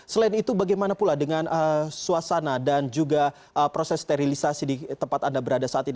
selain itu bagaimana pula dengan suasana dan juga proses sterilisasi di tempat anda berada saat ini